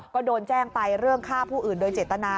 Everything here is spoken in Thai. ก็โดนแจ้งไปเรื่องฆ่าผู้อื่นโดยเจตนา